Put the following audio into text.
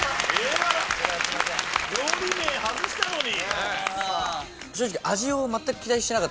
料理名外したのに。